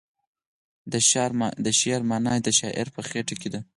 د شعر معنی د شاعر په خیټه کې ده.